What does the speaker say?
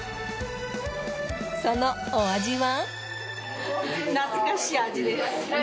そのお味は。